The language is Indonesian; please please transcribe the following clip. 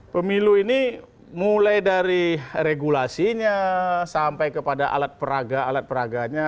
pemilu ini mulai dari regulasinya sampai kepada alat peraga alat peraganya